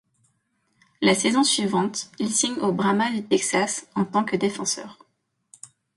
La saison suivante, il signe aux Brahmas du Texas en tant que défenseur.